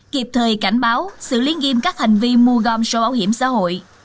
kịp thời cảnh báo xử lý nghiêm các hành vi mua gom sổ bảo hiểm xã hội